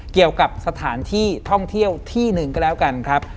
เกี่ยวกับสถานที่ท่องเที่ยวที่หนึ่งก็แล้วกันครับ